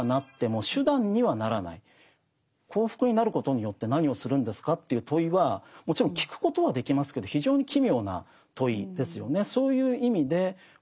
幸福になることによって何をするんですかという問いはもちろん聞くことはできますけど非常に奇妙な問いですよね。